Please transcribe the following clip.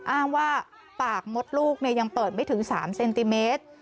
อ้างว่าปากมดลูกยังเปิดไม่ถึง๓เซนติเมตร